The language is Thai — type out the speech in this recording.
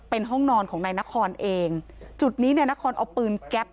เป็นห้องนอนของนายนครเองจุดนี้นายนครเอาปืนแก๊ป